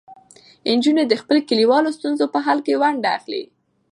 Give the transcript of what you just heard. نجونې د خپلو کلیوالو ستونزو په حل کې ونډه اخلي.